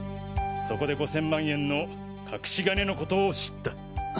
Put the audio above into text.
そこで５０００万円の隠し金のことを知った。